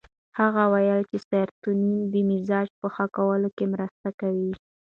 هغه وویل چې سیروتونین د مزاج په ښه کولو کې مرسته کوي.